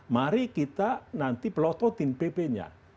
mari kita nanti pelototin pp nya